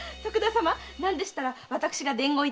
何でしたら私が伝言いたしますが。